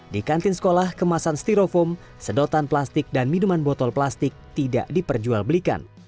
di kantin sekolah kemasan styrofoam sedotan plastik dan minuman botol plastik tidak diperjual belikan